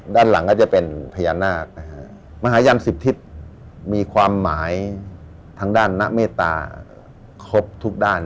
ด้านหลังก็จะเป็นพญานาคนะฮะมหายันสิบทิศมีความหมายทางด้านณเมตตาครบทุกด้าน